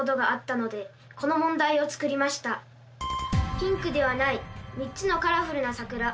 ピンクではない３つのカラフルな桜。